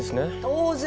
当然。